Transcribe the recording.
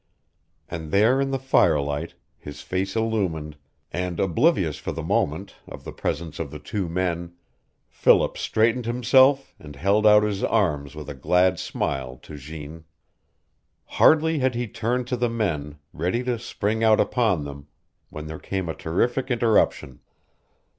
And there in the firelight, his face illumined, and oblivious for the moment of the presence of the two men, Philip straightened himself and held out his arms with a glad smile to Jeanne. Hardly had he turned to the men, ready to spring out upon them, when there came a terrific interruption.